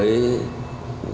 trong cả nước